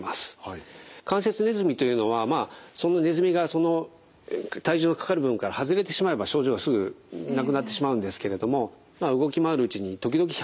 関節ネズミというのはそのネズミが体重のかかる部分から外れてしまえば症状がすぐなくなってしまうんですけれども動き回るうちに時々挟まるわけですよね。